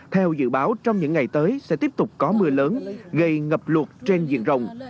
theo dự báo trong những ngày tới sẽ tiếp tục có mưa lớn gây ngập luộc trên diện rồng